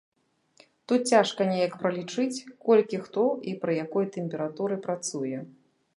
Тут цяжка неяк пралічыць, колькі хто і пры якой тэмпературы працуе.